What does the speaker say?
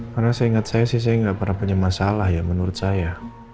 karena saya ingat saya sih saya nggak pernah punya masalah ya menurut saya